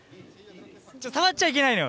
触っちゃいけないのよ。